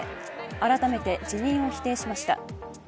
改めて辞任を否定しました。